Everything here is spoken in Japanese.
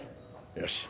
よし。